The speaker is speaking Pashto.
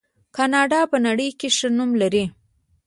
کاناډا په نړۍ کې ښه نوم لري.